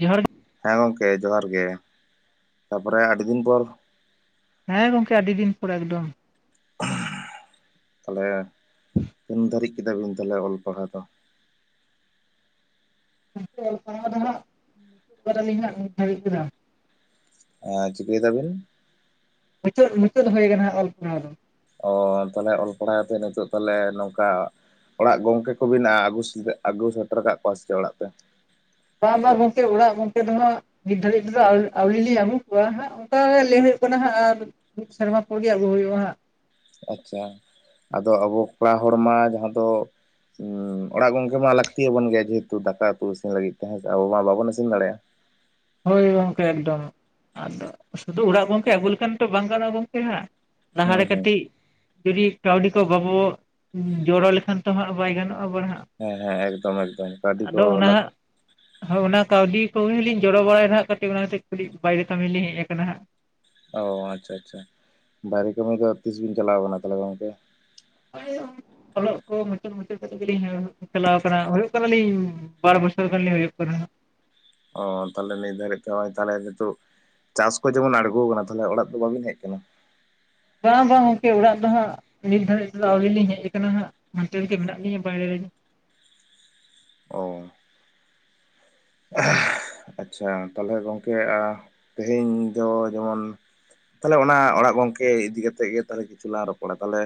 ᱡᱚᱦᱟᱨ ᱜᱮ ᱦᱮᱸ ᱜᱚᱢᱠᱮ ᱡᱚᱦᱟᱨ ᱜᱮ ᱛᱟᱯᱚᱨᱮ ᱟᱹᱰᱤ ᱫᱤᱱ ᱯᱚᱨ ᱦᱮᱸ ᱜᱚᱝᱠᱮ ᱟᱹᱰᱤ ᱫᱤᱱ ᱯᱚᱨᱮ ᱮᱠᱫᱚᱢ ᱛᱟᱞᱦᱮ ᱛᱤᱱ ᱫᱷᱟᱹᱨᱤᱡ ᱠᱮᱫᱟ ᱵᱤᱱ ᱛᱟᱞᱦᱮ ᱚᱞ ᱯᱟᱲᱦᱟᱣ ᱫᱚ ᱜᱚᱝᱠᱮ ᱚᱞᱯᱟᱲᱦᱟᱣ ᱫᱚ ᱦᱟᱸᱜ [unintelligible] ᱱᱤᱛ ᱦᱟᱵᱤᱡ ᱛᱮᱫᱚ ᱮᱸᱻ ᱪᱤᱠᱟᱹᱭ ᱫᱟᱵᱤᱱ ᱢᱩᱪᱟᱹᱫ ᱢᱩᱪᱟᱹᱫ ᱦᱩᱭ ᱠᱟᱱᱟ ᱦᱟᱸᱜ ᱚᱞ ᱯᱟᱲᱦᱟᱣ ᱫᱚ ᱚ ᱛᱟᱞᱦᱮ ᱚᱞ ᱯᱟᱲᱦᱟᱣ ᱠᱟᱛᱮ ᱱᱤᱛᱚᱜ ᱛᱟᱞᱦᱮ ᱱᱚᱝᱠᱟ ᱚᱲᱟᱜ ᱜᱚᱝᱠᱮ ᱠᱚ ᱵᱮᱱ ᱟᱜᱩ ᱥᱮ ᱟᱜᱩ ᱥᱮᱴᱮᱨ ᱠᱟᱫ ᱠᱚᱣᱟ ᱥᱮ ᱪᱮᱫ ᱚᱲᱟᱜ ᱛᱮ ᱵᱟ ᱵᱟ ᱜᱚᱝᱠᱮ ᱚᱲᱟᱜ ᱜᱚᱝᱠᱮ ᱫᱚ ᱦᱟᱸᱜ ᱱᱤᱛ ᱫᱷᱟᱹᱨᱤᱡ ᱛᱮᱫᱚ ᱟᱹᱣ ᱟᱹᱣᱨᱤ ᱞᱤᱧ ᱟᱹᱜᱩ ᱠᱚᱣᱟ ᱦᱟᱸᱜ ᱚᱝᱠᱟ ᱞᱟᱹᱭ ᱦᱩᱭᱩᱜ ᱠᱟᱱᱟ ᱦᱟᱸᱜ ᱟᱨ ᱢᱤᱫ ᱥᱤᱨᱢᱟ ᱯᱚᱨ ᱜᱮ ᱟᱹᱜᱩ ᱦᱩᱭᱩᱜᱼᱟ ᱦᱟᱸᱜ ᱟᱪᱪᱷᱟ ᱟᱫᱚ ᱟᱵᱚ ᱠᱚᱲᱟ ᱦᱚᱲᱢᱟ ᱡᱟᱦᱟᱸ ᱫᱚ ᱚᱲᱟᱜ ᱜᱚᱝᱠᱮ ᱢᱟ ᱞᱟᱹᱠᱛᱤᱭᱟᱵᱚᱱ ᱜᱮᱭᱟ ᱡᱮᱦᱮᱛᱩ ᱫᱟᱠᱟ ᱩᱛᱩ ᱤᱥᱤᱱ ᱞᱟᱹᱜᱤᱫ ᱛᱮᱮᱸ ᱟᱵᱚ ᱢᱟ ᱵᱟᱵᱚᱱ ᱤᱥᱤᱱ ᱫᱟᱲᱮᱭᱟᱜᱼᱟ ᱦᱳᱭ ᱜᱚᱝᱠᱮ ᱮᱠᱫᱚᱢ ᱟᱫᱚ ᱥᱩᱫᱷᱩ ᱚᱲᱟᱜ ᱜᱚᱢᱠᱮ ᱟᱹᱜᱩ ᱞᱮᱠᱷᱟᱱ ᱛᱚ ᱵᱟᱝ ᱜᱟᱱᱚᱜ-ᱟ ᱜᱚᱝᱠᱮ [unintelligible] ᱞᱟᱦᱟ ᱦᱩᱸ ᱨᱮ ᱦᱩᱸ ᱠᱟᱹᱴᱤᱡ ᱡᱩᱫᱤ ᱠᱟᱹᱣᱰᱤ ᱠᱚ ᱵᱟᱵᱚ ᱡᱚᱲᱚ ᱞᱮᱠᱷᱟᱱ ᱛᱚ ᱦᱟᱸᱜ ᱵᱟᱭ ᱜᱟᱱᱚᱜ-ᱟ ᱟᱵᱟᱨ ᱦᱟᱸᱜ ᱦᱮᱸ ᱦᱮᱸ ᱮᱠᱫᱚᱢ ᱮᱠᱫᱚᱢ ᱠᱟᱣᱰᱤ ᱠᱚ ᱟᱫᱚ ᱚᱱᱟ ᱞᱟᱠ ᱦᱟᱸᱜ ᱦᱳᱭ ᱚᱱᱟ ᱠᱟᱹᱣᱰᱤ ᱠᱚᱜᱮ ᱞᱤᱧ ᱡᱚᱲᱚ ᱵᱟᱲᱟᱭᱮᱫᱟ ᱦᱟᱸᱜ ᱠᱟᱹᱴᱤᱡ ᱚᱱᱟ ᱠᱷᱟᱹᱛᱤᱨ ᱠᱟᱹᱴᱤᱡ ᱵᱟᱭᱨᱮ ᱠᱟᱹᱢᱤ ᱞᱤᱧ ᱦᱮᱡ ᱟᱠᱟᱱᱟ ᱦᱟᱸᱜ ᱚᱻ ᱟᱪᱷᱟ ᱟᱪᱷᱟ ᱵᱷᱟᱨᱤ ᱠᱟᱹᱢᱤ ᱫᱚ ᱛᱤᱥ ᱵᱤᱱ ᱪᱟᱞᱟᱣ ᱠᱟᱱᱟ ᱟᱠᱟᱱᱟ ᱛᱟᱦᱚᱞᱮ ᱜᱚᱝᱠᱮ ᱚᱞᱚᱜ ᱠᱚ ᱢᱩᱪᱟᱹᱫ ᱢᱩᱪᱟᱹᱫ ᱠᱟᱛᱮᱜ ᱜᱮᱞᱤᱧ ᱪᱟᱞᱟᱣ ᱟᱠᱟᱱᱟ ᱦᱩᱭᱩᱜ ᱠᱟᱱᱟᱞᱤᱧ ᱵᱟᱨ ᱵᱚᱪᱷᱚᱨ ᱜᱟᱱ ᱞᱮ ᱦᱩᱭᱩᱜ ᱠᱟᱱᱟ ᱦᱟᱸᱜ ᱚ ᱛᱟᱞᱦᱮ ᱱᱤᱛ ᱫᱷᱟᱹᱨᱤᱡ ᱛᱮᱦᱚᱸ ᱛᱟᱞᱦᱮ ᱱᱤᱛᱳᱜ ᱪᱟᱥ ᱠᱚ ᱡᱮᱢᱚᱱ ᱟᱬᱜᱚ ᱟᱠᱟᱱᱟ ᱛᱟᱞᱦᱮ ᱚᱲᱟᱜ ᱫᱚ ᱵᱟᱵᱤᱱ ᱦᱮᱡ ᱟᱠᱟᱱᱟ ᱵᱟᱝ ᱵᱟᱝ ᱜᱚᱝᱠᱮ ᱚᱲᱟᱜ ᱫᱚ ᱦᱟᱸᱜ ᱱᱤᱛ ᱫᱷᱟᱨᱤᱡ ᱛᱮᱫᱚ ᱟᱹᱣᱨᱤ ᱞᱤᱧ ᱦᱮᱡ ᱟᱠᱟᱱᱟ ᱦᱟᱸᱜ ᱦᱟᱱᱛᱮ ᱨᱮᱜᱮ ᱢᱮᱱᱟᱜ ᱞᱤᱧᱟᱹ ᱵᱟᱭᱨᱮ ᱨᱮ ᱚ ᱟᱪᱪᱷᱟ ᱛᱟᱞᱦᱮ ᱜᱚᱝᱠᱮ ᱟᱸᱻ ᱛᱮᱦᱮᱧ ᱫᱚ ᱡᱮᱢᱚᱱ ᱛᱟᱞᱦᱮ ᱚᱱᱟ ᱚᱲᱟᱜ ᱜᱚᱝᱠᱮ ᱤᱫᱤ ᱠᱟᱛᱮᱜ ᱜᱮ ᱛᱟᱞᱦᱮ ᱠᱤᱪᱷᱩ ᱞᱟᱝ ᱨᱚᱯᱚᱲᱟ ᱛᱟᱞᱦᱮ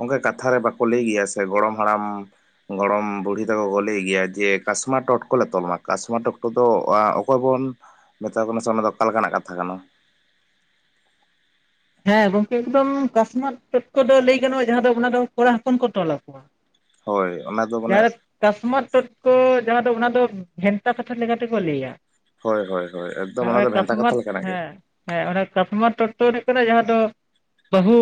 ᱚᱝᱠᱟ ᱠᱟᱛᱷᱟ ᱨᱮ ᱵᱟᱠᱚ ᱞᱟᱹᱭ ᱜᱮᱭᱟ ᱥᱮ ᱜᱚᱲᱚᱢ ᱦᱟᱲᱟᱢ ᱜᱚᱲᱚᱢ ᱵᱩᱲᱦᱤ ᱛᱟᱠᱚ ᱠᱚ ᱞᱟᱹᱭ ᱜᱮᱭᱟ ᱡᱮ ᱠᱟᱥᱢᱟᱨ ᱴᱚᱴᱠᱚᱞᱮ ᱛᱚᱞᱢᱟ ᱠᱟᱥᱢᱟᱨ ᱴᱚᱴᱠᱚ ᱫᱚ ᱮᱸᱻ ᱚᱠᱚᱭ ᱵᱚᱱ ᱢᱮᱛᱟ ᱠᱚᱠᱟᱱᱟ ᱥᱮ ᱚᱱᱟ ᱫᱚ ᱚᱠᱟ ᱞᱮᱠᱟᱱᱟᱜ ᱠᱟᱛᱷᱟ ᱠᱟᱱᱟ ᱦᱮᱸ ᱜᱚᱝᱠᱮ ᱮᱠᱫᱚᱢ ᱠᱟᱥᱢᱟᱨ ᱫᱚ ᱞᱟᱹᱭ ᱜᱟᱱᱚᱜᱼᱟ ᱡᱟᱦᱟᱸ ᱫᱚ ᱚᱱᱟ ᱫᱚ ᱠᱚᱲᱟ ᱦᱚᱯᱚᱱ ᱠᱚ ᱛᱚᱞ ᱟᱠᱚᱣᱟ ᱦᱳᱭ ᱚᱱᱟ ᱫᱚ ᱢᱟᱱᱮ ᱠᱟᱥᱢᱟᱚᱛ ᱴᱚᱴᱠᱚ ᱡᱟᱦᱟᱸ ᱫᱚ ᱚᱱᱟ ᱫᱚ ᱵᱷᱮᱱᱛᱟ ᱠᱟᱛᱷᱟ ᱞᱮᱠᱟᱛᱮᱠᱚ ᱞᱟᱹᱭᱟ ᱦᱳᱭ ᱦᱳᱭ ᱦᱳᱭ ᱮᱠᱫᱚᱢ ᱦᱚᱸᱜᱼᱚᱭ ᱚᱱᱟᱫᱚ ᱵᱷᱮᱱᱛᱟ ᱠᱟᱥᱢᱟᱨ ᱠᱟᱛᱷᱟ ᱞᱮᱠᱟᱱᱟᱜ ᱜᱮ ᱦᱮᱸ ᱦᱮᱸ ᱚᱱᱟ ᱠᱟᱥᱢᱟᱨ ᱴᱚᱴᱠᱚ ᱫᱚ ᱦᱩᱭᱩᱜ ᱠᱟᱱᱟ ᱡᱟᱦᱟᱸ ᱫᱚ ᱵᱟᱹᱦᱩ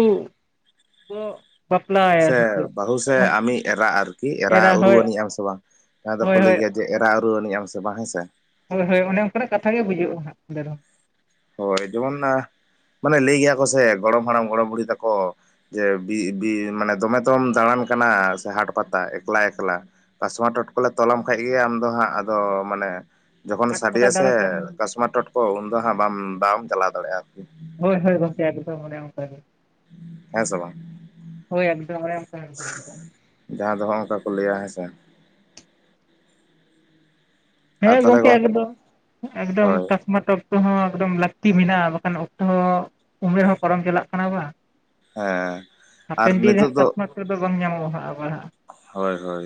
ᱠᱚ ᱵᱟᱯᱞᱟᱭᱟ ᱥᱮ ᱪᱮᱫ ᱵᱟᱹᱦᱩ ᱥᱮ ᱟᱢᱤᱡ ᱮᱨᱟ ᱟᱨᱠᱤ ᱮᱨᱟ ᱩᱨᱩᱣᱱᱤᱡ ᱟᱢ ᱥᱮ ᱵᱟᱝ ᱡᱟᱦᱟᱸ ᱫᱚᱠᱚ ᱦᱳᱭ ᱞᱟᱹᱭ ᱦᱳᱭ ᱜᱮᱭᱟ ᱡᱮ ᱮᱨᱟ-ᱩᱨᱩᱣᱟᱱᱤᱡ ᱟᱢ ᱥᱮ ᱵᱟᱝ ᱦᱮᱸ ᱥᱮ ᱦᱳᱭ ᱦᱳᱭ ᱚᱱᱮ ᱚᱱᱠᱟᱱᱟᱜ ᱠᱟᱛᱷᱟ ᱜᱮ ᱵᱩᱡᱩᱜᱼᱟ ᱦᱟᱸᱜᱼᱟ ᱚᱸᱰᱮ ᱫᱚ ᱦᱳᱭ ᱡᱮᱢᱚᱱ ᱢᱟᱱᱮ ᱞᱟᱹᱭ ᱜᱮᱭᱟ ᱠᱚ ᱥᱮ ᱜᱚᱲᱚᱢ ᱦᱟᱲᱟᱢ ᱜᱚᱲᱚᱢ ᱵᱩᱲᱦᱤ ᱛᱟᱠᱚ ᱡᱮ ᱵᱤ ᱵᱤ ᱢᱟᱱᱮ ᱫᱚᱢᱮ ᱛᱚᱢ ᱫᱟᱲᱟᱱ ᱠᱟᱱᱟ ᱥᱮ ᱦᱟᱴ ᱯᱟᱛᱟ ᱮᱠᱞᱟ ᱮᱠᱞᱟ ᱠᱟᱥᱢᱟᱨ ᱴᱚᱴᱠᱚᱞᱮ ᱛᱞᱟᱟᱢ ᱠᱷᱟᱡ ᱜᱮ ᱟᱢᱫᱚ ᱦᱟᱸᱜ ᱟᱫᱚ ᱢᱟᱱᱮ ᱡᱚᱠᱷᱚᱱ ᱯᱟᱸᱪ ᱯᱟᱴᱟ ᱥᱟᱰᱮᱭᱟ ᱥᱮ ᱫᱟᱬᱟ ᱠᱚᱢ ᱠᱟᱥᱢᱟᱟᱨ ᱴᱚᱴᱠᱚ ᱩᱱᱫᱚ ᱦᱟᱸᱜ ᱵᱟᱢ ᱵᱟᱢ ᱪᱟᱞᱟᱣ ᱫᱟᱲᱮᱭᱟᱜᱼᱟ ᱟᱨᱠᱤ ᱦᱳᱭ ᱦᱳᱭ ᱜᱚᱝᱠᱮ ᱮᱠᱫᱚᱢ ᱚᱱᱮ ᱚᱱᱠᱟ ᱜᱮ ᱦᱮᱸ ᱥᱮ ᱵᱟᱝ ᱦᱳᱭ ᱮᱠᱫᱚᱢ ᱚᱱᱮ ᱚᱱᱠᱟ ᱮᱠᱫᱚᱢ ᱡᱟᱦᱟᱸ ᱫᱚ ᱱᱚᱝᱠᱟ ᱠᱚ ᱞᱟᱹᱭᱟ ᱦᱮᱸ ᱥᱮ ᱟᱨ ᱦᱮᱸ ᱛᱟᱦᱚᱞᱮ ᱜᱚᱝᱠᱮ ᱜᱚᱝ ᱮᱠᱫᱚᱢ ᱮᱠᱫᱚᱢ ᱦᱳᱭ ᱠᱟᱥᱢᱟᱨ ᱴᱚᱴ [unintelligible] ᱦᱚᱸ ᱮᱠᱫᱚᱢ ᱞᱟᱹᱠᱛᱤ ᱢᱮᱱᱟᱜᱼᱟ ᱵᱟᱠᱷᱟᱱ ᱚᱠᱛᱚ ᱦᱚᱸ ᱩᱢᱟᱹᱨ ᱦᱚᱸ ᱯᱟᱨᱚᱢ ᱪᱟᱞᱟᱜ ᱠᱟᱱᱟ ᱵᱟᱝ ᱦᱮᱸ ᱟᱨ ᱦᱟᱯᱮᱱ ᱫᱤᱱ ᱱᱤᱛᱚᱜ ᱨᱮᱦᱟᱸᱜ ᱫᱚ ᱠᱟᱥᱢᱟᱨ ᱴᱚᱴᱠᱚ ᱫᱚ ᱵᱟᱝ ᱧᱟᱢᱚᱜᱼᱟ ᱦᱟᱸᱜ ᱟᱵᱟᱨ ᱦᱟᱸᱜ ᱦᱳᱭ ᱦᱳᱭ᱾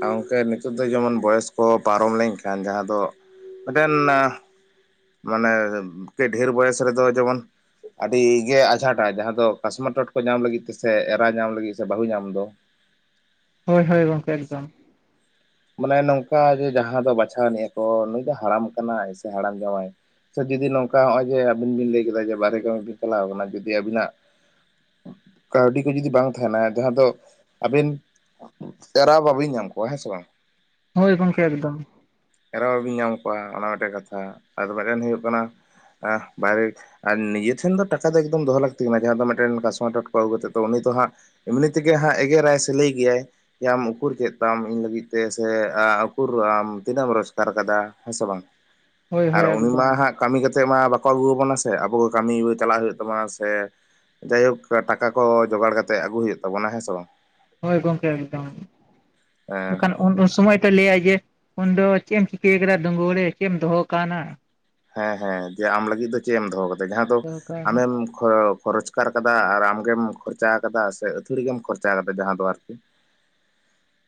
ᱜᱚᱢᱠᱮ ᱱᱤᱛᱚᱜ ᱫᱚ ᱡᱮᱢᱚᱱ ᱵᱚᱭᱚᱥ ᱠᱚ ᱯᱟᱨᱚᱢ ᱞᱮᱱᱠᱷᱟᱱ ᱡᱟᱦᱟᱸ ᱫᱚ ᱢᱤᱫᱴᱮᱱ ᱢᱟᱱᱮ ᱠᱟᱹᱡ ᱰᱷᱮᱨ ᱵᱚᱭᱚᱥ ᱨᱮᱫᱚ ᱡᱮᱢᱚᱱ ᱟᱹᱰᱤᱜᱮ ᱟᱸᱡᱷᱟᱴᱼᱟ ᱡᱟᱦᱟᱸ ᱫᱚ ᱠᱟᱥᱢᱟ ᱴᱚᱴᱠᱚᱡ ᱧᱟᱢ ᱞᱟᱹᱜᱤᱫ ᱛᱮᱥᱮ ᱮᱨᱟ ᱧᱟᱢ ᱞᱟᱹᱜᱤᱫ ᱥᱮ ᱵᱟᱹᱦᱩ ᱧᱟᱢ ᱫᱚ ᱦᱳᱭ ᱦᱳᱭ ᱜᱚᱝᱠᱮ ᱮᱠᱫᱚᱢ᱾ ᱢᱟᱱᱮ ᱱᱚᱝᱠᱟ ᱡᱮ ᱡᱟᱦᱟᱸ ᱫᱚ ᱵᱟᱪᱷᱟᱣᱱᱤᱭᱟ ᱠᱚ ᱱᱩᱭ ᱫᱚ ᱦᱟᱲᱟᱢ ᱠᱟᱱᱟᱭ ᱥᱮ ᱦᱟᱲᱟᱢ ᱡᱟᱢᱟᱭ᱾ ᱥᱮ ᱡᱩᱫᱤ ᱱᱚᱝᱠᱟ ᱱᱚᱜᱼᱚᱭ ᱡᱮ ᱟᱵᱤᱱ ᱵᱤᱱ ᱞᱟᱹᱭ ᱠᱮᱫᱟ ᱡᱮ ᱵᱟᱦᱨᱮ ᱠᱟᱹᱢᱤ ᱵᱤᱱ ᱪᱟᱞᱟᱣ ᱠᱟᱱᱟ ᱡᱩᱫᱤ ᱟᱵᱤᱱᱟᱜ ᱠᱟᱹᱣᱰᱤ ᱠᱚ ᱡᱩᱫᱤ ᱵᱟᱝ ᱛᱟᱦᱮᱱᱟ ᱡᱟᱦᱟᱸ ᱫᱚ ᱟᱵᱮᱱ ᱮᱨᱟ ᱵᱟᱹᱵᱤᱱ ᱧᱟᱢ ᱠᱚᱣᱟ, ᱦᱮᱸ ᱥᱮ ᱵᱟᱝ? ᱦᱳᱭ ᱜᱚᱢᱠᱮ ᱮᱠᱫᱚᱢ᱾ ᱮᱨᱟ ᱵᱟᱵᱤᱱ ᱧᱟᱢ ᱠᱚᱣᱟ ᱚᱱᱟ ᱢᱤᱫᱴᱮᱱ ᱠᱟᱛᱷᱟ ᱟᱨ ᱢᱤᱫᱴᱮᱱ ᱦᱩᱭᱩᱜ ᱠᱟᱱᱟ ᱵᱟᱭᱤᱠ ᱟᱨ ᱱᱤᱡᱮ ᱴᱷᱮᱱ ᱫᱚ ᱴᱟᱠᱟ ᱫᱚ ᱮᱠᱫᱚᱢ ᱫᱚᱦᱚ ᱞᱟᱹᱠᱛᱤ ᱠᱟᱱᱟ ᱡᱟᱦᱟᱸᱭ ᱫᱚ ᱢᱤᱫᱴᱮᱱ ᱠᱟᱥᱢᱚ ᱴᱚᱴᱠᱚ ᱟᱹᱜᱩ ᱠᱟᱛᱮᱜ ᱫᱚ ᱩᱱᱤ ᱛᱚ ᱦᱟᱸᱜ ᱮᱢᱱᱤ ᱛᱮᱜᱮ ᱦᱟᱸᱜ ᱮᱜᱮᱨᱟᱭ ᱥᱮ ᱞᱟᱹᱭ ᱜᱮᱭᱟᱭ ᱡᱮ ᱟᱢ ᱩᱠᱩᱨ ᱪᱮᱫ ᱛᱟᱢ ᱤᱧ ᱞᱟᱹᱜᱤᱫ ᱛᱮ ᱥᱮ ᱚᱹᱠᱩᱨ ᱟᱢ ᱛᱤᱱᱟᱹᱜ ᱮᱢ ᱨᱳᱡᱽᱜᱟᱨ ᱠᱟᱫᱟ ᱦᱮᱸ ᱥᱮ ᱵᱟᱝ ᱦᱳᱭ ᱟᱨ ᱦᱳᱭ ᱩᱱᱤ ᱢᱟ ᱮᱠᱫᱚᱢ ᱦᱟᱸᱜ ᱠᱟᱹᱢᱤ ᱠᱟᱛᱮᱜ ᱢᱟ ᱵᱟᱠᱚ ᱟᱹᱜᱩᱣᱟᱵᱚᱱᱟ ᱥᱮ ᱟᱵᱚ ᱜᱮ ᱠᱟᱹᱢᱤ ᱪᱟᱞᱟᱣ ᱦᱩᱭᱩᱜ ᱛᱟᱵᱚᱱᱟ ᱥᱮ ᱡᱟᱭ ᱦᱳᱠ ᱴᱟᱠᱟ ᱠᱚ ᱡᱚᱜᱟᱲ ᱠᱟᱛᱮ ᱟᱹᱜᱩ ᱦᱩᱭᱩᱜ ᱛᱟᱵᱚᱱᱟ, ᱦᱮᱸ ᱥᱮ ᱵᱟᱝ ᱦᱳᱭ ᱜᱚᱝᱠᱮ ᱮᱠᱫᱚᱢ ᱦᱮᱸ ᱢᱮᱱᱠᱷᱟᱱ ᱩᱱ ᱩᱱ ᱥᱚᱢᱚᱭ ᱛᱚ ᱞᱟᱹᱭ ᱟᱭ ᱡᱮ ᱩᱱᱫᱚ ᱪᱮᱫ ᱮᱢ ᱪᱤᱠᱟᱹᱭ ᱠᱟᱫᱟ ᱰᱟᱸᱜᱩᱣᱟ ᱨᱮ, ᱪᱮᱫ ᱮᱢ ᱫᱚᱦᱚ ᱟᱠᱟᱱᱟ? ᱦᱮᱸ ᱦᱮᱸ ᱫᱤᱭᱮ ᱟᱢ ᱞᱟᱹᱜᱤᱫ ᱫᱚ ᱪᱮᱫ ᱮᱢ ᱫᱚᱦᱚ ᱠᱟᱫᱟ ᱡᱟᱦᱟᱸ ᱫᱚ ᱫᱚᱦᱚ ᱠᱟᱣᱱᱟ ᱟᱢᱮᱢ ᱠᱷᱚᱨᱚᱪ ᱫᱚᱨᱠᱟᱨ ᱠᱟᱫᱟ ᱟᱨ ᱟᱢᱜᱮᱢ ᱠᱷᱚᱨᱪᱟ ᱠᱟᱫᱟ ᱥᱮ ᱟᱹᱛᱷᱩᱲᱤ ᱜᱮᱢ ᱠᱷᱚᱨᱪᱟ ᱠᱟᱫᱟ ᱡᱟᱦᱟᱸ ᱫᱚ ᱟᱨᱠᱤ᱾ [inaudible]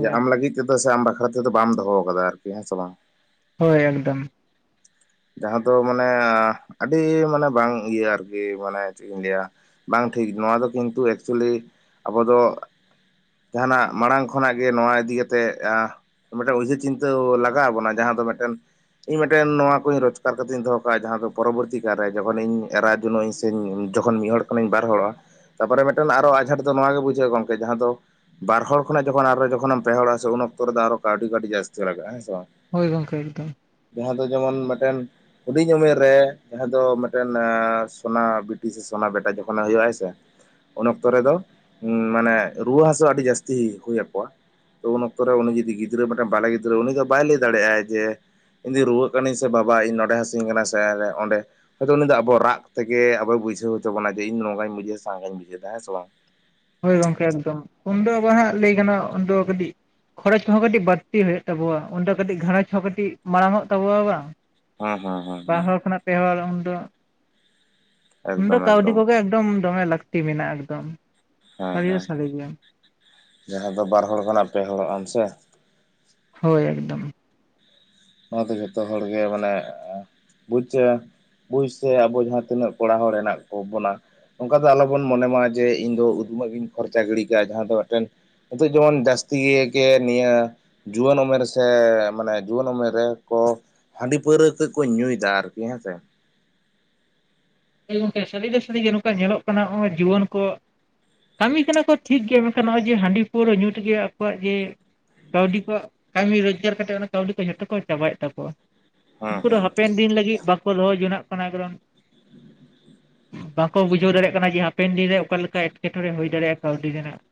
ᱡᱮ ᱟᱢ ᱮᱠᱫᱚᱢ ᱞᱟᱹᱜᱤᱫ ᱛᱮᱫᱚ ᱥᱮ ᱟᱢ ᱵᱟᱠᱷᱨᱟ ᱛᱮᱫᱚ ᱵᱟᱢ ᱫᱚᱦᱚ ᱠᱟᱫᱟ, ᱟᱨᱠᱤ ᱦᱮᱸ ᱥᱮ ᱵᱟᱝ? ᱦᱳᱭ ᱮᱠᱫᱚᱢ᱾ ᱡᱟᱦᱟᱸ ᱫᱚ ᱢᱟᱱᱮ ᱟᱹᱰᱤ ᱢᱟᱱᱮ ᱵᱟᱝ ᱤᱭᱟᱹ ᱟᱨᱠᱤ ᱢᱟᱱᱮ ᱪᱮᱫ ᱤᱧ ᱞᱟᱹᱭᱟ ᱵᱟᱝ ᱴᱷᱤᱠ ᱱᱚᱣᱟ ᱫᱚ ᱠᱤᱱᱛᱩ ᱮᱠᱪᱩᱞᱤ ᱟᱵᱚ ᱫᱚ ᱡᱟᱦᱟᱱᱟᱜ ᱢᱟᱲᱟᱝ ᱠᱷᱚᱱᱟᱜ ᱜᱮ ᱱᱚᱣᱟ ᱤᱫᱤ ᱠᱟᱛᱮᱜ ᱟ ᱢᱤᱫᱴᱮᱱ ᱩᱭᱦᱟᱹᱨ ᱪᱤᱱᱛᱟᱹ ᱞᱟᱜᱟᱣ ᱟᱵᱚᱱᱟ ᱡᱟᱦᱟᱸ ᱫᱚ ᱢᱤᱫᱴᱮᱱ ᱤᱧ ᱢᱮᱫᱴᱮᱱ ᱱᱚᱣᱟ ᱨᱳᱡᱽᱜᱟᱨ ᱠᱟᱛᱮ ᱤᱧ ᱫᱚᱦᱚ ᱠᱟᱜᱼᱟ ᱡᱟᱦᱟᱸ ᱫᱚ ᱯᱚᱨᱚᱵᱚᱨᱛᱤ ᱠᱟᱞᱨᱮ ᱡᱚᱠᱷᱚᱱ ᱤᱧ ᱮᱨᱟ ᱡᱚᱱᱚᱜ ᱟᱹᱧ ᱥᱮ ᱡᱚᱠᱷᱚᱱ ᱢᱤᱫ ᱦᱚᱲ ᱡᱚᱠᱷᱚᱱ ᱤᱧ ᱵᱟᱨ ᱦᱚᱲᱚᱜᱼᱟ ᱛᱟᱨᱯᱚᱨᱮ ᱢᱤᱫᱴᱟᱱ ᱟᱨᱦᱚ ᱟᱸᱡᱷᱟᱴ ᱫᱚ ᱱᱚᱣᱟᱜᱮ ᱵᱩᱡᱷᱟᱹᱜᱼᱟ ᱜᱚᱝᱠᱮ ᱡᱟᱦᱟᱸ ᱫᱚ ᱵᱟᱨ ᱦᱚᱲ ᱠᱷᱚᱱᱟᱜ ᱡᱚᱠᱷᱚᱱ ᱟᱨᱦᱚ ᱡᱚᱠᱷᱚᱱ ᱯᱮᱦᱚᱲᱜᱼᱟ ᱥᱮ ᱩᱱ ᱚᱠᱛᱚ ᱨᱮᱫᱚ ᱟᱨᱚ ᱠᱟᱹᱣᱰᱤ ᱠᱟᱹᱴᱤᱡ ᱡᱟᱹᱥᱛᱤ ᱞᱟᱜᱟᱜᱼᱟ᱾ ᱦᱮᱸ ᱥᱮ ᱵᱟᱝ ᱦᱳᱭ ᱜᱚᱝᱠᱮ ᱮᱠᱫᱚᱢ ᱡᱟᱦᱟᱸ ᱫᱚ ᱡᱮᱢᱚᱱ ᱢᱤᱫᱴᱮᱱ ᱦᱩᱰᱤᱧ ᱩᱢᱮᱨ ᱨᱮ ᱡᱟᱦᱟᱸ ᱫᱚ ᱢᱤᱫᱴᱮᱱ ᱥᱳᱱᱟ ᱵᱤᱴᱤ ᱥᱮ ᱥᱚᱱᱟ ᱵᱮᱴᱟ ᱡᱚᱠᱷᱚᱱ ᱦᱩᱭᱩᱜ ᱟᱭ ᱥᱮ ᱩᱱ ᱚᱠᱛᱚ ᱨᱮᱫᱚ ᱢᱟᱱᱮ ᱨᱩᱣᱟᱹ ᱦᱟᱹᱥᱩ ᱟᱹᱰᱤ ᱡᱟᱹᱥᱛᱤ ᱦᱳᱭ ᱟᱠᱚᱣᱟ ᱛᱚ ᱩᱱ ᱚᱠᱛᱚ ᱨᱮ ᱩᱱᱤ ᱡᱩᱫᱤ ᱜᱤᱫᱽᱨᱟᱹ ᱢᱤᱫᱴᱟᱝ ᱵᱟᱞᱮ ᱜᱤᱫᱽᱨᱟᱹ ᱩᱱᱤ ᱫᱚ ᱵᱟᱭ ᱞᱟᱹᱭ ᱫᱟᱲᱮᱼᱟᱭ ᱡᱮ ᱤᱧ ᱫᱚ ᱨᱩᱣᱟᱹᱜ ᱠᱟᱹᱱᱟᱹᱧ ᱥᱮ ᱥᱮ ᱵᱟᱵᱟ ᱤᱧ ᱱᱚᱸᱰᱮ ᱦᱟᱹᱥᱩᱧ ᱠᱟᱱᱟ ᱥᱮ ᱚᱸᱰᱮ ᱟᱫᱚ ᱩᱱᱤ ᱫᱚ ᱟᱵᱚ ᱨᱟᱜ ᱛᱮᱜᱮ ᱟᱵᱚᱭ ᱵᱩᱡᱷᱟᱹᱣ ᱦᱚᱪᱚ ᱵᱚᱱᱟ ᱡᱮ ᱤᱧ ᱱᱚᱝᱜᱟᱧ ᱵᱩᱡᱷᱟᱣ ᱥᱮ ᱦᱟᱝᱠᱟ ᱤᱧ ᱵᱩᱡᱷᱣ ᱫᱟ ᱦᱮᱸ ᱥᱮ ᱵᱟᱝ ᱦᱳᱭ ᱜᱚᱝᱠᱮ ᱮᱠᱫᱚᱢ ᱩᱱᱫᱚ ᱟᱵᱟᱨ ᱦᱟᱸᱜ ᱞᱟᱹᱭ ᱜᱟᱱᱚᱜ-ᱟ ᱩᱱᱫᱚ ᱠᱟᱹᱴᱤᱡ ᱠᱷᱚᱨᱚᱪ ᱠᱚᱦᱚᱸ ᱠᱟᱹᱴᱤᱡ ᱵᱟᱹᱲᱛᱤ ᱦᱩᱭᱩᱜ ᱛᱟᱵᱚᱟ ᱚᱸᱰᱮ ᱠᱟᱹᱴᱤᱡ ᱜᱷᱟᱨᱚᱸᱡᱽ ᱦᱚᱸ ᱠᱟᱹᱴᱤᱡ ᱢᱟᱲᱟᱝᱜᱚ ᱛᱟᱵᱚᱣᱟ ᱵᱟᱝ ᱦᱮᱸ ᱦᱮᱸ ᱦᱮᱸ ᱵᱟᱨ ᱦᱮᱸ ᱦᱚᱲ ᱠᱷᱚᱱᱟᱜ ᱯᱮ ᱦᱚᱲ ᱩᱱᱫᱚ ᱩᱱ ᱫᱚ, ᱠᱟᱹᱣᱰᱤ ᱠᱚᱜᱮ ᱮᱠᱫᱚᱢ ᱫᱚᱢᱮ ᱞᱟᱹᱠᱛᱤ ᱢᱮᱱᱟᱜᱼᱟ ᱮᱠᱫᱚᱢ ᱦᱮᱸ ᱥᱟᱹᱨᱤ ᱫᱚ ᱦᱮᱸ ᱥᱟᱹᱨᱤ ᱜᱮ ᱡᱟᱦᱟᱸ ᱫᱚ ᱵᱟᱨ ᱦᱚᱲ ᱠᱷᱚᱱᱟᱜ ᱯᱮ ᱦᱚᱲᱚᱜ ᱟᱢ ᱥᱮ ᱦᱳᱭ ᱮᱠᱫᱚᱢ ᱱᱚᱣᱟᱛᱮ ᱡᱚᱛᱚ ᱦᱚᱲᱜᱮ ᱢᱟᱱᱮ ᱵᱩᱡᱽᱟᱹ ᱯᱩᱨᱩᱥ ᱥᱮ ᱟᱵᱚ ᱡᱟᱦᱟᱸ ᱛᱤᱱᱟᱹᱜ ᱠᱚᱲᱟ ᱦᱚᱲ ᱢᱮᱱᱟᱜ ᱠᱚ ᱵᱚᱱᱟ ᱚᱱᱠᱟ ᱫᱚ ᱟᱞᱚᱵᱚᱱ ᱢᱚᱱᱮᱢᱟ ᱡᱮ ᱤᱧ ᱫᱚ ᱩᱫᱢᱟᱜ ᱜᱤᱧ ᱠᱷᱚᱨᱪᱟ ᱜᱤᱰᱤ ᱠᱟᱜᱼᱟ ᱡᱟᱦᱟᱸ ᱫᱚ ᱢᱤᱫᱴᱮᱱ ᱱᱤᱛᱚᱜ ᱡᱮᱢᱚᱱ ᱡᱟᱹᱥᱛᱤ ᱜᱮ ᱱᱤᱭᱟᱹ ᱡᱩᱣᱟᱹᱱ ᱩᱢᱮᱨ ᱥᱮ ᱢᱟᱱᱮ ᱡᱩᱣᱟᱹᱱ ᱩᱢᱮᱨ ᱨᱮ ᱠᱚ ᱦᱟᱺᱰᱤ ᱯᱟᱹᱣᱨᱟᱹ ᱠᱟᱡ ᱠᱚ ᱧᱩᱭ ᱮᱫᱟ ᱟᱨᱠᱤ᱾ ᱦᱮᱸ ᱥᱮ ᱦᱮᱸ ᱜᱚᱝᱠᱮ ᱥᱟᱹᱨᱤ ᱫᱚ ᱥᱟᱹᱨᱤ ᱜᱮ ᱱᱚᱝᱠᱟ ᱧᱮᱞᱚᱜ ᱠᱟᱱᱟ ᱱᱚᱜᱼᱚᱭ ᱡᱩᱣᱟᱹᱱ ᱠᱚ ᱠᱟᱹᱢᱤ ᱠᱟᱱᱟ ᱠᱚ ᱴᱷᱤᱠ ᱜᱮ ᱢᱮᱱᱠᱷᱟᱱ ᱱᱚᱜᱚᱭ ᱡᱮ ᱦᱟᱺᱰᱤ ᱯᱟᱹᱣᱨᱟᱹ ᱧᱩᱛᱮᱜᱮ ᱟᱠᱚᱣᱟᱜ ᱡᱮ ᱠᱟᱹᱣᱰᱤ ᱠᱚᱣᱟᱜ ᱠᱟᱹᱢᱤ ᱨᱳᱡᱽᱜᱟᱨ ᱠᱟᱛᱮᱫ ᱚᱱᱟ ᱠᱟᱹᱣᱰᱤ ᱠᱚ ᱡᱷᱚᱛᱚ ᱠᱚ ᱪᱟᱵᱟᱭᱮᱫ ᱛᱟᱠᱚᱣᱟ ᱦᱮᱸ ᱩᱱᱠᱩ ᱫᱚ ᱦᱮᱸ ᱦᱟᱯᱮᱱ ᱫᱤᱱ ᱞᱟᱹᱜᱤᱫ ᱵᱟᱠᱚ ᱫᱚᱦᱚ ᱡᱚᱱᱟᱜ ᱠᱟᱱᱟ ᱠᱟᱨᱚᱱ ᱵᱟᱠᱚ ᱵᱩᱡᱷᱟᱹᱣ ᱫᱟᱲᱮᱭᱟᱜ ᱠᱟᱱᱟ ᱡᱮ ᱦᱟᱯᱮᱱ ᱫᱤᱱᱨᱮ ᱚᱠᱟ ᱞᱮᱠᱟ ᱮᱴᱠᱮᱴᱚᱬᱮ ᱦᱩᱭ ᱫᱟᱲᱮᱭᱟᱜᱼᱟ ᱠᱟᱹᱣᱰᱤ ᱨᱮᱱᱟᱜ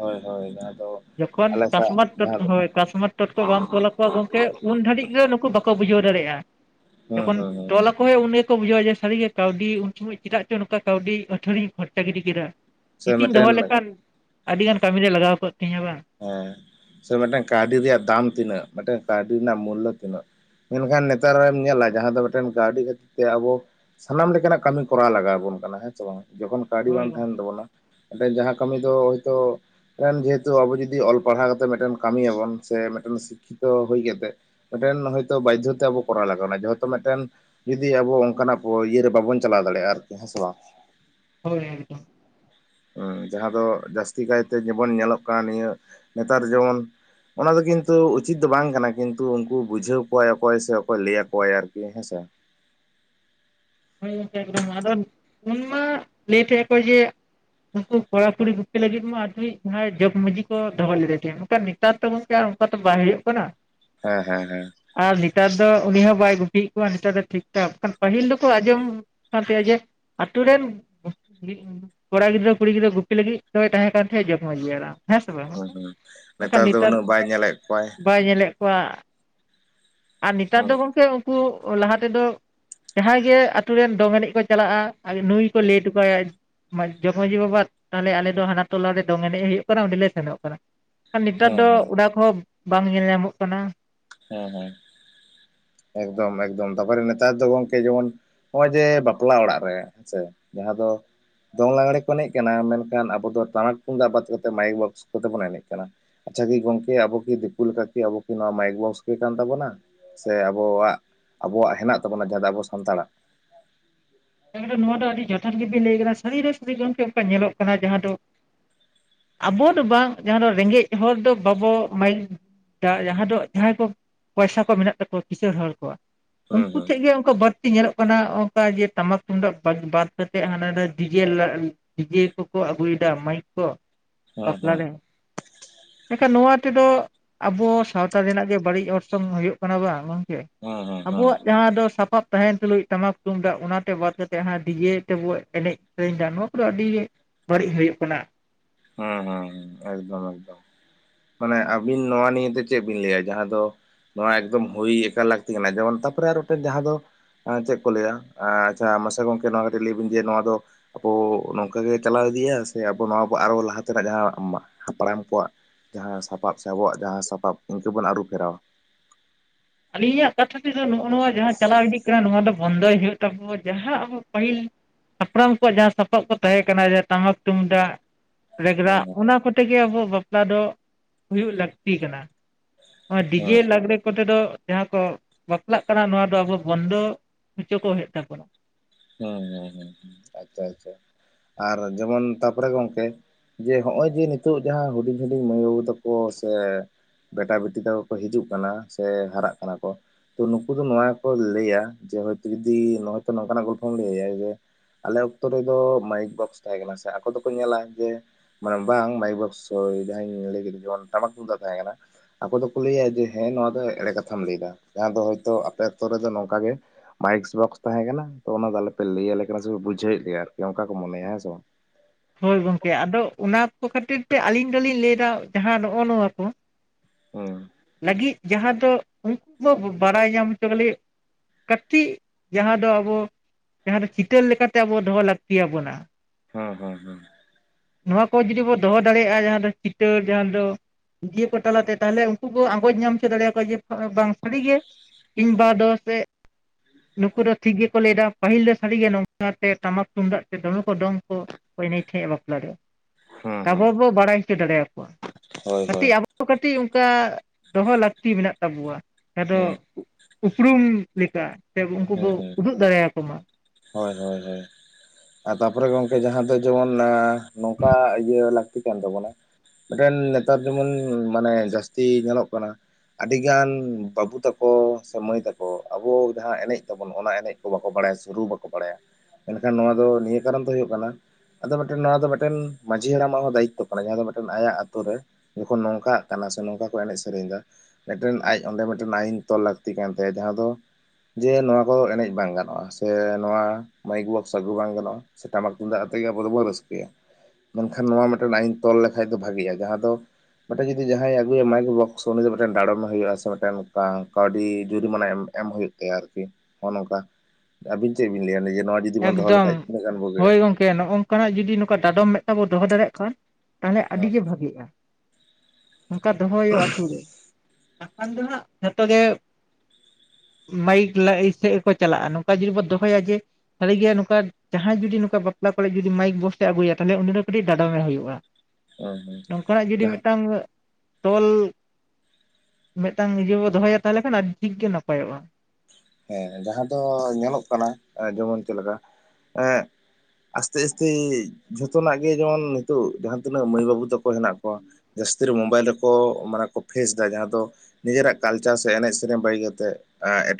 ᱦᱳᱭ ᱦᱳᱭ ᱡᱟᱦᱟᱸ ᱫᱚ ᱡᱚᱠᱷᱚᱱ ᱟᱞᱮ ᱥᱟᱜ ᱠᱟᱥᱢᱚᱛ ᱴᱚᱴ ᱡᱟᱦᱟᱸ ᱫᱚ ᱠᱟᱥᱢᱚᱛ ᱴᱚᱴᱠᱚ ᱵᱟᱝ ᱛᱚᱞᱟᱠᱚ ᱜᱚᱝᱠᱮ ᱩᱱ ᱫᱷᱟᱹᱨᱤᱡ ᱫᱚ ᱱᱩᱠᱩ ᱵᱟᱠᱚ ᱵᱩᱡᱷᱟᱹᱣ ᱫᱟᱲᱮᱭᱟᱜᱼᱟ, ᱦᱩᱸ ᱡᱚᱠᱷᱚᱱ ᱦᱩᱸ ᱦᱩᱸ ᱛᱚᱞ ᱟᱠᱚᱭᱟᱭ ᱩᱱᱤ ᱜᱮᱠᱚ ᱵᱩᱡᱷᱟᱹᱣᱟ ᱡᱮ ᱥᱟᱹᱨᱤᱜᱮ ᱠᱟᱹᱣᱰᱤ, ᱩᱱ ᱡᱷᱩᱡ ᱪᱮᱫᱟᱜ ᱪᱚᱝ ᱱᱚᱝᱠᱟ ᱠᱟᱹᱣᱰᱤ ᱟᱹᱛᱷᱟᱹᱲᱤᱧ ᱠᱷᱚᱨᱪᱟ ᱜᱤᱰᱤ ᱠᱮᱫᱟ, ᱥᱮ ᱱᱤᱛ ᱤᱧ ᱫᱚᱦᱚ ᱢᱤᱫᱴᱮᱱ ᱞᱮᱠᱷᱟᱱ ᱟᱹᱰᱤ ᱜᱟᱱ ᱠᱟᱹᱢᱤ ᱨᱮ ᱞᱟᱜᱟᱣ ᱠᱚᱫ ᱛᱤᱧᱟᱹ ᱵᱟᱝ ᱦᱮᱸ ᱥᱮ ᱢᱤᱫᱴᱟᱝ ᱠᱟᱹᱣᱰᱤ ᱨᱮᱭᱟᱜ ᱫᱟᱢ ᱛᱤᱱᱟᱹᱜ ᱢᱤᱫᱴᱟᱝ ᱠᱟᱹᱣᱰᱤ ᱨᱮᱱᱟᱜ ᱢᱩᱞᱞᱚ ᱛᱤᱱᱟᱹᱜ ᱢᱮᱱᱠᱷᱟᱱ ᱱᱮᱛᱟᱨᱮᱢ ᱧᱮᱞᱟ ᱡᱟᱦᱟᱸ ᱫᱚ ᱢᱤᱫᱴᱮᱱ ᱠᱟᱹᱣᱰᱤ ᱠᱷᱟᱹᱛᱤᱨ ᱛᱮ ᱟᱵᱚ ᱥᱟᱱᱟᱢ ᱞᱮᱠᱟᱱᱟᱜ ᱠᱟᱹᱢᱤ ᱠᱚᱨᱟᱣ ᱞᱟᱜᱟᱣ ᱵᱚᱱ ᱠᱟᱱᱟ ᱦᱮᱸᱥᱮ ᱵᱟᱝ ᱡᱚᱠᱷᱚᱱ ᱠᱟᱹᱣᱰᱤ ᱦᱳᱭ ᱵᱟᱝ ᱛᱟᱦᱮᱱ ᱜᱚᱝᱠᱮ ᱛᱟᱵᱚᱱᱟ, ᱮᱱ ᱡᱟᱦᱟᱸ ᱠᱟᱹᱢᱤ ᱫᱚ ᱡᱮᱦᱮᱛᱩ ᱟᱵᱚ ᱡᱩᱫᱤ ᱡᱤ ᱚᱞ ᱯᱟᱲᱦᱟᱣ ᱠᱟᱛᱮ ᱢᱤᱫᱴᱮᱱ ᱠᱟᱹᱢᱤᱭᱟᱵᱚᱱ ᱥᱮ, ᱢᱤᱫᱴᱮᱱ ᱥᱤᱠᱷᱤᱛᱚ ᱦᱩᱭ ᱠᱟᱛᱮᱫ ᱢᱤᱫᱴᱮᱱ ᱦᱚᱭᱛᱚ ᱵᱟᱫᱽᱫᱷᱚᱛ ᱛᱮ ᱟᱵᱚ ᱠᱚᱨᱟᱣ ᱞᱟᱜᱟᱣᱱᱟ ᱡᱚᱦᱚᱛᱚ ᱢᱤᱫᱴᱮᱱ ᱡᱩᱫᱤ ᱟᱵᱚ ᱚᱱᱠᱟᱱᱟᱜ ᱤᱭᱟᱹᱟᱹᱨᱮ ᱵᱟᱵᱚᱱ ᱪᱟᱞᱟᱣ ᱫᱟᱲᱮᱭᱟᱜᱼᱟ ᱟᱨᱠᱤ ᱦᱮᱸ ᱥᱮ ᱵᱟᱝ ᱦᱚᱭ ᱮᱠᱫᱚᱢ ᱟᱹᱻ ᱡᱟᱦᱟᱸ ᱫᱚ ᱡᱟᱹᱥᱛᱤ ᱠᱟᱭᱛᱮ ᱡᱮᱵᱚᱱ ᱧᱮᱞᱚᱜ ᱠᱟᱱ ᱱᱤᱭᱟᱹ ᱱᱮᱛᱟᱨ ᱡᱮᱢᱚᱱ ᱚᱱᱟ ᱫᱚ ᱠᱤᱱᱛᱩ, ᱩᱪᱤᱛ ᱫᱚ ᱵᱟᱝ ᱠᱟᱱᱟ ᱠᱤᱱᱛᱩ, ᱩᱱᱠᱩ ᱵᱩᱡᱷᱟᱹᱣ ᱠᱚᱣᱟᱭ ᱚᱠᱚᱭ ᱥᱮ ᱚᱠᱚᱭ ᱞᱟᱹᱭ ᱟᱠᱚᱣᱟᱭ ᱟᱨᱠᱤ ᱦᱮᱸᱥᱮ ᱦᱚᱭ ᱜᱚᱢᱠᱮ ᱟᱫᱚ ᱩᱱᱢᱟ ᱞᱟᱹᱭ ᱠᱮᱫᱟ ᱠᱚ ᱡᱮ ᱱᱩᱠᱩ ᱠᱚᱲᱟ ᱠᱩᱲᱤ ᱜᱩᱯᱤ ᱞᱟᱹᱜᱤᱫ ᱢᱟ ᱟᱵᱤᱡ ᱡᱟᱦᱟᱸᱟ ᱡᱚᱜᱽ ᱢᱟᱺᱡᱷᱤ ᱠᱚ ᱫᱚᱦᱚ ᱞᱮᱫᱮ ᱛᱟᱦᱮᱱᱟ ᱱᱮᱛᱟᱨ ᱛᱚ ᱜᱚᱝᱠᱮ ᱟᱨ ᱚᱱᱠᱟ ᱛᱚ ᱵᱟᱭ ᱦᱩᱭᱩᱜ ᱠᱟᱱᱟ ᱦᱮᱸ ᱦᱮᱸ ᱦᱮᱸ ᱟᱨ ᱱᱮᱛᱟᱨ ᱫᱚ ᱩᱱᱤ ᱦᱚᱸ ᱵᱟᱭ ᱜᱩᱥᱤᱭᱮᱫ ᱠᱚᱣᱟ ᱱᱮᱛᱟᱨ ᱫᱚ ᱴᱷᱤᱠ ᱴᱷᱟᱠ, ᱢᱮᱱᱠᱟᱷᱟᱱ ᱯᱟᱹᱦᱤᱞ ᱫᱚ ᱠᱚ ᱟᱸᱡᱚᱢ ᱠᱟᱱ ᱛᱟᱭᱟ ᱡᱮ ᱟᱛᱳ ᱨᱮᱱ ᱢᱤᱫ ᱠᱚᱲᱟ ᱜᱤᱫᱽᱨᱟᱹ ᱠᱩᱲᱤ ᱜᱤᱫᱽᱨᱟᱹ ᱜᱩᱯᱤ ᱞᱟᱹᱜᱤᱫ ᱠᱚᱭ ᱛᱟᱦᱮᱸ ᱠᱟᱱ ᱛᱟᱦᱮᱸᱫ ᱡᱚᱜ ᱢᱟᱡᱷᱤ ᱦᱟᱲᱟᱢ ᱦᱮᱸ ᱥᱮ ᱵᱟᱝ ᱦᱩᱸ ᱦᱩᱸ, ᱱᱮᱛᱟᱨ ᱫᱚ ᱩᱱᱟᱹᱜ ᱵᱟᱭ ᱧᱮᱞᱮᱫ ᱠᱚᱣᱟᱭ ᱵᱟᱭ ᱧᱮᱞᱮᱫ ᱠᱚᱣᱟ ᱟᱨ ᱱᱮᱛᱟᱨ ᱫᱚ ᱦᱩᱸ ᱜᱚᱢᱠᱮ ᱩᱱᱠᱩ ᱞᱟᱦᱟ ᱛᱮᱫᱚ, ᱡᱟᱦᱟᱸᱭ ᱜᱮ ᱟᱛᱩ ᱨᱤᱱ ᱫᱚᱝ ᱮᱱᱮᱡ ᱠᱚ ᱪᱟᱞᱟᱜᱼᱟ ᱟᱜᱮ ᱱᱩᱭ ᱠᱚ ᱦᱮᱸ ᱞᱟᱹᱭ ᱦᱚᱴᱚ ᱠᱟᱭᱟ ᱡᱚᱜᱽ ᱢᱟᱺᱡᱷᱤ ᱵᱟᱵᱟ ᱛᱟᱦᱮᱞᱮ ᱟᱞᱮ ᱫᱚ ᱦᱟᱱᱟ ᱴᱚᱞᱟ ᱨᱮ ᱫᱚᱝ ᱮᱱᱮᱡ ᱦᱩᱭᱩᱜ ᱠᱟᱱᱟ, ᱚᱸᱰᱮᱞᱮ ᱥᱮᱱᱚᱜ ᱠᱟᱱᱟ ᱟᱨ ᱱᱮᱛᱟᱨ ᱦᱮᱸ ᱫᱚ ᱦᱮᱸ ᱚᱱᱟ ᱠᱚᱦᱚᱸ ᱵᱟᱝ ᱧᱮᱞ ᱧᱟᱢᱚᱜ ᱠᱟᱱᱟ ᱦᱮᱸ ᱦᱮᱸᱻ ᱮᱠᱫᱚᱢ ᱮᱠᱫᱚᱢ ᱛᱟᱨᱯᱚᱨᱮ ᱱᱮᱛᱟᱨ ᱫᱚ ᱜᱚᱝᱠᱮ ᱡᱮᱢᱚᱱ ᱱᱚᱜᱼᱚᱭ ᱡᱮ ᱵᱟᱯᱞᱟ ᱚᱲᱟᱜ ᱨᱮ ᱦᱮᱸ ᱥᱮ, ᱡᱟᱦᱟᱸ ᱫᱚ ᱫᱚᱝ ᱞᱟᱜᱽᱬᱮ ᱠᱚ ᱮᱱᱮᱡ ᱠᱟᱱᱟ ᱢᱮᱱᱠᱷᱟᱱ ᱟᱵᱚ ᱫᱚ ᱴᱟᱢᱟᱠ- ᱛᱩᱢᱫᱟᱜ ᱵᱟᱫ ᱠᱟᱛᱮᱫ ᱢᱟᱭᱤᱠ ᱵᱚᱠᱥ ᱠᱚᱛᱮ ᱵᱚᱱ ᱮᱱᱮᱡ ᱠᱟᱱᱟ ᱟᱪ ᱪᱷᱟ ᱠᱤ ᱜᱚᱝᱠᱮ ᱟᱵᱚ ᱠᱤ ᱫᱤᱠᱩ ᱞᱮᱠᱟᱠᱤ ᱟᱵᱚ ᱠᱤ ᱱᱚᱣᱟ ᱢᱟᱭᱤᱠ ᱵᱚᱠᱥ ᱨᱟᱹᱥᱠᱟᱹ ᱠᱟᱱ ᱛᱟᱵᱚᱱᱟ ᱥᱮ ᱟᱵᱚᱣᱟᱜ, ᱟᱵᱚᱣᱟᱜ ᱦᱮᱱᱟᱜ ᱛᱟᱵᱚᱱᱟ ᱡᱟᱦᱟᱸ ᱫᱚ ᱟᱵᱚ ᱥᱟᱱᱛᱟᱲᱟᱜ ᱮ ᱱᱚᱣᱟ ᱫᱚ ᱟᱹᱰᱤ ᱡᱚᱛᱷᱟᱛ ᱜᱮᱵᱤᱱ ᱞᱟᱹᱭ ᱠᱟᱫᱟ ᱥᱟᱹᱨᱤ ᱜᱚᱢᱠᱮ ᱚᱱᱠᱟ ᱧᱮᱞᱚᱜ ᱠᱟᱱᱟ ᱡᱟᱦᱟᱸ ᱫᱚ ᱟᱵᱚ ᱫᱚ ᱵᱟᱝ ᱡᱟᱦᱟᱸ ᱫᱚ ᱨᱮᱸᱜᱮᱡ ᱦᱚᱲ ᱫᱚ ᱵᱟᱵᱚ ᱢᱟᱭᱤ ᱡᱟ ᱡᱟᱦᱟᱸ ᱫᱚ ᱡᱟᱦᱟᱸᱭ ᱠᱚ ᱯᱚᱭᱥᱟ ᱠᱚ ᱢᱮᱱᱟᱜ ᱛᱟᱠᱚᱣᱟ ᱠᱤᱥᱟᱹᱬ ᱦᱚᱲ ᱠᱚᱣᱟᱜ ᱦᱩᱸ ᱩᱱᱠᱩ ᱦᱩᱸ ᱴᱷᱮᱡ ᱜᱮ ᱚᱝᱠᱟ ᱵᱟᱲᱛᱤ ᱧᱮᱞᱚᱜ ᱠᱟᱱᱟ ᱚᱝᱠᱟ ᱡᱮ ᱴᱟᱢᱟᱠ ᱛᱩᱢᱫᱟᱜ ᱵᱟᱫ ᱠᱟᱛᱮᱫ ᱦᱟᱱᱟ ᱱᱟᱣᱟ ᱰᱤᱡᱮ, ᱰᱤᱡᱮ ᱠᱚᱠᱚ ᱟᱹᱜᱩᱭᱮᱫᱟ ᱢᱟᱹᱭᱤᱠ ᱠᱚ ᱦᱩᱸ ᱵᱟᱯᱞᱟ ᱨᱮ ᱮᱱᱠᱷᱟᱱ, ᱱᱚᱣᱟ ᱛᱮᱫᱚ ᱟᱵᱚ ᱥᱟᱶᱛᱟ ᱨᱮᱱᱟᱜ ᱜᱮ ᱵᱟᱹᱲᱤᱡ ᱚᱨᱥᱚᱝ ᱦᱩᱭᱩᱜ ᱠᱟᱱᱟ ᱵᱟᱝ ᱜᱚᱝᱠᱮ ᱦᱩᱸ ᱦᱩᱸ ᱦᱩᱸ ᱟᱵᱚᱣᱟᱜ ᱡᱟᱦᱟᱸ ᱫᱚ ᱥᱟᱯᱟᱵ ᱛᱟᱦᱮᱱ ᱛᱩᱞᱩᱡ ᱴᱟᱢᱟᱠ ᱛᱩᱢᱫᱟᱜ ᱚᱱᱟ ᱵᱟᱫ ᱠᱟᱛᱮᱫ ᱰᱤᱡᱮ ᱛᱮᱵᱚ ᱮᱱᱮᱡ ᱥᱮᱨᱮᱧ ᱮᱫᱟ ᱱᱚᱣᱟ ᱠᱚᱫᱚ ᱟᱹᱰᱤ ᱵᱟᱹᱲᱤᱡ ᱦᱩᱭᱩᱜ ᱠᱟᱱᱟ ᱦᱮᱸ ᱦᱮᱸ ᱦᱮᱸ ᱮᱠᱫᱚᱢ ᱮᱠᱫᱚᱢ ᱢᱟᱱᱮ ᱟᱹᱵᱤᱱ ᱱᱚᱣᱟ ᱱᱤᱭᱮᱛᱮ ᱪᱮᱫ ᱵᱤᱱ ᱞᱟᱹᱭᱟ ᱡᱟᱦᱟᱸ ᱫᱚ ᱱᱚᱣᱟ ᱮᱠᱫᱚᱢ ᱦᱩᱭ ᱮᱠᱟᱞ ᱞᱟᱹᱠᱛᱤ ᱠᱟᱱᱟ ᱡᱮᱢᱚᱱ, ᱛᱟᱨᱯᱚᱨᱮ ᱟᱨ ᱢᱤᱫᱴᱮᱱ ᱡᱟᱦᱟᱸ ᱫᱚ ᱪᱮᱫ ᱠᱚ ᱞᱟᱹᱭᱟ, ᱟᱪ ᱪᱷᱟ ᱢᱟᱥᱮ ᱜᱚᱝᱠᱮ ᱱᱚᱣᱟ ᱠᱟᱹᱴᱤᱡ ᱞᱟᱹᱭ ᱵᱤᱱ ᱡᱮ ᱱᱚᱣᱟ ᱫᱚ ᱟᱵᱚ ᱱᱚᱝᱠᱟᱜᱮ ᱪᱟᱞᱟᱣ ᱤᱫᱤᱭᱟ ᱥᱮ, ᱟᱵᱚ ᱱᱚᱣᱟ ᱟᱨᱚ ᱞᱟᱦᱟ ᱛᱮᱱᱟᱜ ᱡᱟᱦᱟᱸ ᱦᱟᱯᱲᱟᱢ ᱠᱚᱣᱟᱜ ᱡᱟᱦᱟᱸ ᱥᱟᱯᱟᱵ ᱥᱮ ᱟᱵᱚᱣᱟᱜ ᱡᱟᱦᱟᱸ ᱥᱟᱯᱟᱵ ᱤᱱᱠᱟᱹ ᱵᱚᱱ ᱟᱹᱨᱩ ᱯᱷᱮᱨᱟᱣᱟ ᱟᱞᱤᱧᱟᱜ ᱠᱟᱛᱷᱟ ᱛᱮᱫᱚ ᱱᱚᱜ-ᱚ ᱱᱚᱣᱟ ᱡᱟᱦᱟᱸ ᱪᱟᱞᱟᱣ ᱤᱫᱤᱜ ᱠᱟᱱᱟ ᱱᱚᱣᱟ ᱫᱚ ᱵᱚᱱᱫᱚᱭ ᱦᱩᱭᱩᱜ ᱛᱟᱵᱚ ᱡᱟᱦᱟᱸᱭ ᱟᱵᱚ ᱯᱟᱹᱦᱤᱞ ᱦᱟᱯᱲᱟᱢ ᱠᱚᱣᱟᱜ ᱡᱟᱦᱟᱸ ᱥᱟᱯᱟᱵ ᱠᱚ ᱛᱟᱦᱮᱸ ᱠᱟᱱᱟ ᱡᱟᱦᱟᱸ ᱴᱟᱢᱟᱠ ᱛᱩᱢᱫᱟᱜ ᱨᱮᱜᱽᱲᱟ ᱦᱮᱸ ᱚᱱᱟ ᱠᱚᱛᱮ ᱜᱮ ᱟᱵᱚᱣᱟᱜ ᱵᱟᱯᱞᱟ ᱫᱚ ᱦᱩᱭᱩᱜ ᱞᱟᱹᱠᱛᱤ ᱠᱟᱱᱟ ᱱᱚᱣᱟ ᱰᱤᱡᱮ ᱦᱮᱸ ᱞᱟᱜᱽᱲᱮ ᱠᱚᱛᱮ ᱫᱚ ᱡᱟᱦᱟᱸ ᱠᱚ ᱵᱟᱯᱞᱟᱜ ᱠᱟᱱᱟ ᱱᱚᱣᱟ ᱫᱚ ᱟᱵᱚ ᱵᱚᱱᱫᱚ ᱦᱚᱪᱚ ᱠᱚ ᱦᱩᱭᱩᱜ ᱛᱟᱵᱚᱱᱟ ᱦᱩᱸ ᱦᱩᱸ ᱦᱩᱸ ᱦᱩᱸ ᱟᱪᱪᱷᱟ ᱟᱪᱪᱷᱟ ᱟᱨ ᱡᱮᱢᱚᱱ ᱛᱟᱯᱚᱨᱮ ᱜᱚᱝᱠᱮ ᱡᱮ ᱦᱚᱸᱜ-ᱚᱭ ᱡᱮ ᱱᱤᱛᱳᱜ ᱡᱟᱦᱟᱸ ᱦᱩᱰᱤᱧ ᱦᱩᱰᱤᱧ ᱢᱟᱹᱭ ᱵᱟᱹᱵᱩ ᱛᱟᱠᱚ ᱥᱮ ᱵᱮᱴᱟ ᱵᱤᱴᱤ ᱛᱟᱠᱚ ᱠᱚ ᱦᱤᱡᱩᱜ ᱠᱟᱱᱟ ᱥᱮ ᱦᱟᱨᱟᱜ ᱠᱟᱱᱟ ᱠᱚ ᱛᱚ ᱱᱩᱠᱩ ᱫᱚ ᱱᱚᱣᱟ ᱜᱮᱠᱚ ᱞᱟᱹᱭᱟ ᱡᱮ ᱦᱳᱭᱛᱳ ᱡᱩᱫᱤ ᱱᱚᱝᱠᱟᱱᱟᱜ ᱜᱚᱞᱯᱷᱚᱢ ᱞᱟᱹᱭᱟᱭᱟ ᱡᱮ ᱟᱞᱮ ᱚᱠᱛᱚ ᱨᱮᱫᱚ ᱢᱟᱭᱤᱠ ᱵᱚᱠᱥ ᱛᱟᱦᱮᱸ ᱠᱟᱱᱟ ᱥᱮ ᱟᱠᱚ ᱫᱚᱠᱚ ᱧᱮᱞᱟ ᱡᱮ ᱢᱟᱱᱮ ᱵᱟᱝ ᱢᱟᱭᱤᱠ ᱵᱚᱠᱥ ᱡᱟᱦᱟᱸᱧ ᱞᱟᱹᱭ ᱠᱮᱫᱟ ᱡᱮᱢᱚᱱ ᱴᱟᱢᱟᱠ ᱛᱩᱢᱫᱟᱜ ᱛᱟᱦᱮᱸ ᱠᱟᱱᱟ ᱟᱠᱚ ᱫᱚᱠᱚ ᱞᱟᱹᱭᱟ ᱡᱮ ᱦᱮᱸ ᱱᱚᱣᱟ ᱫᱚ ᱮᱲᱮ ᱠᱟᱛᱷᱟᱢ ᱞᱟᱹᱭᱫᱟ ᱡᱟᱦᱟᱸ ᱫᱚ ᱦᱚᱭᱛᱳ ᱟᱯᱮ ᱚᱠᱛᱚ ᱨᱮᱫᱚ ᱱᱚᱝᱠᱟᱜᱮ ᱢᱟᱭᱤᱠ ᱵᱚᱠᱥ ᱛᱟᱦᱮᱸ ᱠᱟᱱᱟ ᱛᱚ ᱚᱱᱟ ᱫᱚ ᱟᱞᱮ ᱯᱮ ᱞᱟᱹᱭ ᱟᱞᱮ ᱠᱟᱱᱟ ᱥᱮ ᱵᱩᱡᱷᱟᱹᱣᱮᱫ ᱞᱮᱭᱟ ᱟᱨᱠᱤ ᱚᱱᱠᱟ ᱠᱚ ᱢᱚᱱᱮᱭᱟ ᱦᱮᱸ ᱥᱮ ᱵᱟᱝ ᱦᱳᱭ ᱜᱚᱝᱠᱮ ᱟᱫᱚ ᱚᱱᱟ ᱠᱚ ᱠᱷᱟᱹᱛᱤᱨ ᱛᱮ ᱟᱹᱞᱤᱧ ᱫᱚᱞᱤᱧ ᱞᱟᱹᱭ ᱮᱫᱟ ᱡᱟᱦᱟᱸ ᱱᱚᱜ-ᱚ ᱱᱚᱣᱟ ᱠᱚ ᱦᱩᱸ ᱞᱟᱹᱜᱤᱫ ᱡᱟᱦᱟᱸ ᱫᱚ ᱩᱱᱠᱩ ᱠᱚ ᱵᱟᱲᱟᱭ ᱧᱟᱢ ᱦᱚᱪᱚ [unintelligible] ᱠᱟᱹᱴᱤᱡ ᱡᱟᱦᱟᱸ ᱫᱚ ᱟᱵᱚ ᱡᱟᱦᱟᱸ ᱫᱚ ᱪᱤᱛᱟᱹᱨ ᱞᱮᱠᱟᱛᱮ ᱟᱵᱚ ᱫᱚᱦᱚ ᱞᱟᱹᱠᱛᱤ ᱟᱵᱚᱱᱟ ᱦᱩᱸ ᱦᱩᱸ ᱦᱩᱸ ᱱᱚᱣᱟ ᱠᱚ ᱡᱩᱫᱤ ᱵᱚ ᱫᱚᱦᱚ ᱫᱟᱲᱮᱭᱟᱜ-ᱟ ᱡᱟᱦᱟᱸ ᱫᱚ ᱪᱤᱛᱟᱹᱨ ᱡᱟᱦᱟᱸ ᱫᱚ ᱵᱷᱤᱰᱤᱭᱳ ᱠᱚ ᱛᱟᱞᱟᱛᱮ ᱛᱟᱦᱞᱮ ᱩᱱᱠᱩ ᱠᱚ ᱟᱸᱜᱚᱡ ᱧᱟᱢ ᱦᱚᱪᱚ ᱫᱟᱲᱮ ᱟᱠᱚᱣᱟ ᱡᱮ ᱵᱟᱝ ᱥᱟᱹᱨᱤᱜᱮ ᱤᱧ ᱵᱟ ᱫᱚ ᱥᱮ ᱱᱩᱠᱩ ᱫᱚ ᱴᱷᱤᱠ ᱜᱮᱠᱚ ᱞᱟᱹᱭᱫᱟ ᱯᱟᱹᱦᱤᱞ ᱫᱚ ᱥᱟᱹᱨᱤ ᱜᱮ ᱱᱚᱝᱠᱟᱛᱮ ᱴᱟᱢᱟᱠ ᱛᱩᱢᱫᱟᱜ ᱛᱮ ᱫᱚᱢᱮ ᱠᱚ ᱫᱚᱢ ᱠᱚ ᱤᱱᱟᱹ ᱴᱷᱮᱡ ᱵᱟᱯᱞᱟ ᱨᱮ, ᱦᱩᱸ ᱛᱚ ᱦᱩᱸ ᱟᱵᱚ ᱵᱚ ᱵᱟᱲᱟᱭ ᱦᱚᱪᱚ ᱫᱟᱲᱮ ᱟᱠᱚᱣᱟ ᱦᱳᱭ ᱦᱳᱭ ᱠᱟᱹᱴᱤᱡ ᱟᱵᱚ ᱠᱟᱹᱴᱤᱡ ᱚᱱᱠᱟ ᱫᱚᱦᱚ ᱞᱟᱹᱠᱛᱤ ᱢᱮᱱᱟᱜ ᱛᱟᱵᱚᱣᱟ ᱟᱫᱚ ᱦᱩᱸ ᱩᱯᱨᱩᱢ ᱞᱮᱠᱟ ᱥᱮ ᱩᱝᱠᱩ ᱦᱩᱸ ᱵᱚ ᱦᱩᱸ ᱩᱫᱩᱜ ᱫᱟᱲᱮ ᱟᱠᱚᱢᱟ ᱦᱳᱭ ᱦᱳᱭ ᱦᱳᱭ ᱟᱨ ᱛᱟᱯᱚᱨᱮ ᱜᱚᱝᱠᱮ ᱡᱟᱦᱟᱸ ᱫᱚ ᱡᱮᱢᱚᱱ ᱱᱚᱝᱠᱟ ᱤᱭᱟᱹ ᱞᱟᱠ ᱞᱟᱹᱠᱛᱤ ᱠᱟᱱ ᱛᱟᱵᱚᱱᱟ ᱢᱤᱫᱴᱮᱱ ᱱᱮᱛᱟᱨ ᱡᱮᱢᱚᱱ ᱢᱟᱱᱮ ᱡᱟᱹᱥᱛᱤ ᱧᱮᱞᱚᱜ ᱠᱟᱱᱟ ᱟᱹᱰᱤ ᱜᱟᱱ ᱵᱟᱹᱵᱩ ᱛᱟᱠᱚ ᱥᱮ ᱢᱟᱹᱭ ᱛᱟᱠᱚ ᱟᱵᱚ ᱡᱟᱦᱟᱸ ᱮᱱᱮᱡ ᱛᱟᱵᱚᱱ ᱚᱱᱟ ᱮᱱᱮᱡ ᱵᱟᱠᱚ ᱵᱟᱲᱟᱭᱟ ᱥᱮ ᱨᱩ ᱵᱟᱠᱚ ᱵᱟᱲᱟᱭᱟ ᱢᱮᱱᱠᱷᱟᱱ ᱱᱚᱣᱟ ᱫᱚ ᱱᱤᱭᱟᱹ ᱠᱟᱨᱚᱱ ᱛᱮ ᱦᱩᱭᱩᱜ ᱠᱟᱱᱟ ᱟᱫᱚ ᱢᱮᱫᱴᱮᱱ ᱱᱚᱣᱟ ᱫᱚ ᱢᱮᱫᱴᱮᱱ ᱢᱟᱺᱡᱷᱤ ᱦᱟᱲᱟᱢᱟᱜ ᱦᱚᱸ ᱫᱟᱭᱤᱛᱛᱚ ᱠᱟᱱᱟ ᱡᱟᱦᱟᱸ ᱫᱚ ᱢᱮᱫᱴᱮᱱ ᱟᱭᱟᱜ ᱟᱛᱳ ᱨᱮ ᱡᱚᱠᱷᱚᱱ ᱱᱚᱝᱠᱟᱜ ᱠᱟᱱᱟ ᱥᱮ ᱱᱚᱝᱠᱟ ᱠᱚ ᱮᱱᱮᱡ ᱥᱮᱨᱮᱧ ᱫᱟ ᱢᱮᱫᱴᱮᱱ ᱟᱡ ᱚᱸᱰᱮ ᱢᱮᱫᱴᱮᱱ ᱟᱭᱤᱱ ᱛᱚᱞ ᱞᱟᱹᱠᱛᱤ ᱠᱟᱱ ᱛᱟᱭᱟ ᱡᱟᱦᱟᱸ ᱫᱚ ᱡᱮ ᱱᱚᱣᱟ ᱠᱚ ᱮᱱᱮᱡ ᱵᱟᱝ ᱜᱟᱱᱚᱜ-ᱟ ᱥᱮ ᱱᱚᱣᱟ ᱢᱟᱹᱭᱤᱠ ᱵᱚᱠᱥ ᱟᱹᱜᱩ ᱵᱟᱝ ᱜᱟᱱᱚᱜ-ᱟ ᱥᱮ ᱴᱟᱢᱟᱠ ᱛᱩᱫᱟᱜ ᱟ ᱛᱮᱜᱮ ᱟᱵᱚ ᱫᱚᱵᱚᱱ ᱨᱟᱹᱥᱠᱟᱹᱭᱟ ᱢᱮᱱᱠᱷᱟᱱ ᱱᱚᱣᱟ ᱢᱤᱫᱴᱮᱱ ᱟᱹᱭᱤᱱ ᱛᱚᱞ ᱞᱮᱠᱷᱟᱡ ᱫᱚ ᱵᱷᱟᱜᱤᱜ-ᱟ ᱡᱟᱦᱟᱸ ᱫᱚ ᱢᱤᱫᱴᱮᱱ ᱡᱩᱫᱤ ᱡᱟᱦᱟᱸᱭ ᱟᱹᱜᱩᱭᱟ ᱢᱟᱭᱤᱠ ᱵᱚᱠᱥ ᱩᱱᱤ ᱫᱚ ᱢᱤᱫᱴᱮᱱ ᱰᱟᱲᱬᱚᱢᱮ ᱦᱩᱭᱩᱜ-ᱟ ᱥᱮ ᱢᱤᱫᱴᱮᱱ ᱠᱟᱹᱣᱰᱤ ᱡᱩᱨᱤᱢᱟᱱᱟ ᱮᱢ ᱮᱢ ᱦᱩᱭᱩᱜ ᱛᱟᱭᱟ ᱟᱨᱠᱤ ᱱᱚᱜ-ᱚ ᱱᱚᱝᱠᱟ ᱟᱵᱤᱱ ᱪᱮᱫ ᱵᱤᱱ ᱞᱟᱹᱭᱟ ᱡᱮ ᱱᱚᱣᱟ ᱡᱩᱫᱤ ᱵᱚᱱ ᱫᱚᱦᱚ ᱞᱮᱠᱟᱡ ᱛᱤᱱᱟᱹᱜ ᱜᱟᱱ ᱵᱩᱜᱤᱭᱟ ᱦᱮᱸ ᱱᱚᱜ-ᱚ ᱱᱚᱝᱠᱟᱱᱟᱜ ᱡᱩᱫᱤ ᱱᱚᱝᱠᱟ ᱰᱟᱰᱚᱢ ᱢᱮᱴᱟᱝ ᱵᱚ ᱵᱚᱱ ᱫᱚᱦᱚ ᱫᱟᱲᱮᱭᱟᱜ ᱠᱷᱟᱱ ᱛᱟᱞᱦᱮ ᱦᱮᱸ ᱟᱹᱰᱤᱜᱮ ᱵᱷᱟᱜᱮᱜ-ᱟ ᱚᱝᱠᱟ ᱫᱚᱦᱚ ᱦᱩᱭᱩᱜ-ᱟ ᱟᱛᱳ ᱨᱮ ᱱᱟᱜᱠᱷᱟᱱ ᱫᱚ ᱦᱟᱸᱜ ᱡᱷᱚᱛᱚ ᱜᱮ ᱢᱟᱭᱤᱠ ᱞᱟᱭᱤᱠ ᱴᱷᱮᱡ ᱜᱮᱠᱚ ᱪᱟᱞᱟᱜ-ᱟ ᱱᱚᱝᱠᱟ ᱡᱩᱫᱤ ᱵᱚᱱ ᱫᱚᱦᱚᱭᱟ ᱡᱮ ᱥᱟᱹᱨᱤ ᱜᱮ ᱱᱚᱝᱠᱟ ᱡᱟᱦᱟᱸᱭ ᱡᱩᱫᱤ ᱱᱚᱝᱠᱟ ᱵᱟᱯᱞᱟ ᱠᱚᱨᱮ ᱡᱩᱫᱤ ᱢᱟᱭᱤᱠ ᱵᱚᱥᱛᱮ ᱮ ᱟᱹᱜᱩᱭᱟ ᱛᱟᱦᱞᱮ ᱩᱱᱤ ᱫᱚ ᱠᱟᱹᱴᱤᱡ ᱰᱟᱰᱚᱢᱮ ᱦᱩᱭᱩᱜ-ᱟ ᱦᱮᱸ ᱦᱮᱸ ᱱᱚᱝᱠᱟᱱᱟᱜ ᱡᱩᱫᱤ ᱡᱟᱦᱟᱸ ᱢᱤᱫᱴᱟᱝ ᱛᱚᱞ ᱢᱤᱫᱴᱟᱝ ᱤᱭᱟᱹ ᱵᱚ ᱫᱚᱦᱚᱭᱟ ᱛᱟᱦᱞᱮ ᱠᱷᱟᱱ ᱟᱹᱰᱤ ᱴᱷᱤᱠ ᱜᱮ ᱱᱟᱯᱟᱭᱚᱜ-ᱟ ᱦᱮᱸ ᱡᱟᱦᱟᱸ ᱫᱚ ᱧᱮᱞᱚᱜ ᱠᱟᱱᱟ ᱡᱮᱢᱚᱱ ᱪᱮᱫ ᱞᱮᱠᱟ ᱮᱸᱜ ᱟᱥᱛᱮ ᱟᱥᱛᱮ ᱡᱷᱚᱛᱚᱱᱟᱜ ᱜᱮ ᱡᱮᱢᱚᱱ ᱱᱤᱛᱚᱜ ᱡᱟᱦᱟᱸ ᱛᱤᱱᱟᱹᱜ ᱢᱟᱹᱭ ᱵᱟᱹᱵᱩ ᱛᱟᱠᱚ ᱦᱮᱱᱟᱜ ᱠᱚᱣᱟ᱾ ᱡᱟᱹᱥᱛᱤ ᱨᱮ ᱢᱚᱵᱟᱭᱤᱞ ᱨᱮᱠᱚ ᱢᱟᱱᱮ ᱠᱚ ᱯᱷᱮᱥ ᱫᱟ ᱡᱟᱦᱟᱸ ᱫᱚ ᱱᱤᱡᱮᱨᱟᱜ ᱠᱟᱞᱪᱟᱨ ᱥᱮ ᱮᱱᱮᱡ ᱥᱮᱨᱮᱧ ᱵᱟᱹᱜᱤ ᱠᱟᱛᱮ ᱮᱴᱟᱜ